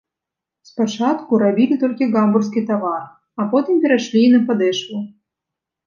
Спачатку рабілі толькі гамбургскі тавар, а потым перайшлі і на падэшву.